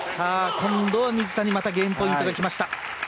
今度は水谷またゲームポイントがきました。